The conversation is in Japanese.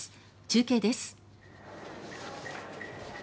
中継です。